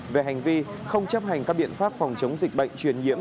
về hành vi không chấp hành các biện pháp phòng chống dịch bệnh truyền nhiễm